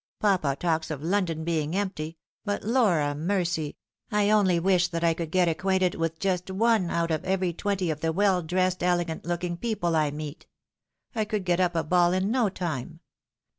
Papa talks of London being empty — but lor a meroy ! I only wish that I could get acquainted with just one out of every twenty of the well dressed, elegant looking people I meet ; I could get up a ball in no time.